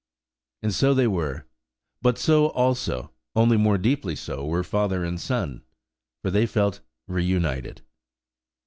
And so they were; but so also, only more deeply so, were father and son, for they felt reunited.